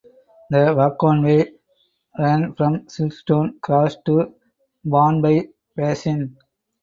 The waggonway ran from Silkstone Cross to Barnby Basin.